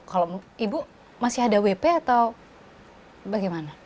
kalau ibu masih ada wp atau bagaimana